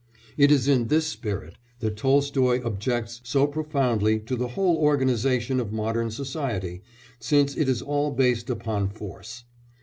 It is in this spirit that Tolstoy objects so profoundly to the whole organisation of modern society, since it is all based upon force.